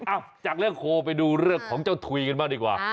จากเรื่องโคไปดูเรื่องของเจ้าถุยกันบ้างดีกว่า